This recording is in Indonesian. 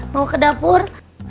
mau ke dapur